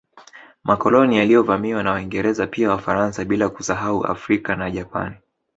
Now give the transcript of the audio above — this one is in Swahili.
Makoloni yaliyovamiwa na Waingereza pia Wafaransa bila kusahau Afrika na Japani